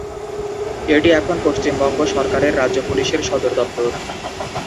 এটি এখন পশ্চিমবঙ্গ সরকারের রাজ্য পুলিশের সদর দপ্তর।